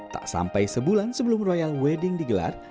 tak sampai sebulan sebelum royal wedding digelar